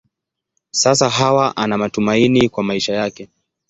Sasa Hawa ana matumaini kwa maisha yake.